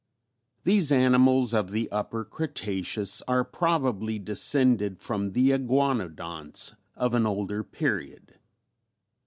_ These animals of the Upper Cretaceous are probably descended from the Iguanodonts of an older period.